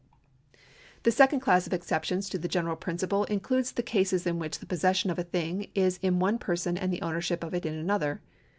The second class of exceptions to the general principle includes the cases in which the possession of a thing is in one person and the ownership of it in another.